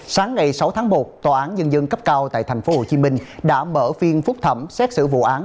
sáng ngày sáu tháng một tòa án nhân dân cấp cao tại tp hcm đã mở phiên phúc thẩm xét xử vụ án